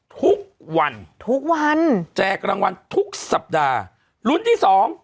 ทุกวันทุกวันแจกรางวัลทุกสัปดาห์ลุ้นที่สอง